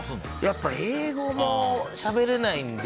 やっぱり英語もしゃべれないので。